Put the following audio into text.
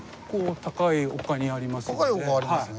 高い丘ありますね。